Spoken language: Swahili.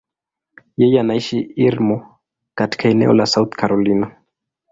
Yeye anaishi Irmo, katika eneo la South Carolina.